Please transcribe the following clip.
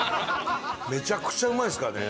めちゃくちゃうまいですからね。